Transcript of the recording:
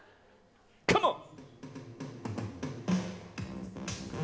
カモン！